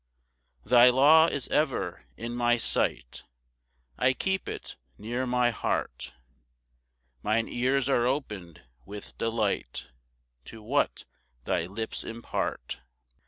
3 "Thy law is ever in my sight, "I keep it near my heart; "Mine ears are open'd with delight "To what thy lips impart."